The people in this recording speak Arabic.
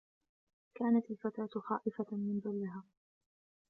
كانت الفتاة خائفة من ظلها.